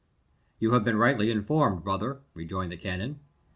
"You have been rightly informed, brother," rejoined the canon.